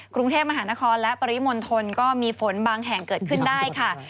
กรุงเทพมหานครและปริมณฑลก็มีฝนบางแห่งเกิดขึ้นได้ค่ะ